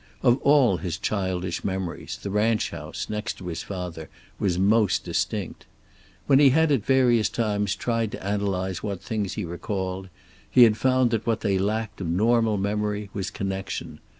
Of all his childish memories the ranch house, next to his father, was most distinct. When he had at various times tried to analyze what things he recalled he had found that what they lacked of normal memory was connection.